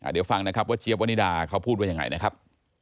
เดี๋ยวฟังนะครับว่าเจี๊ยบวนิดาเขาพูดว่ายังไงนะครับ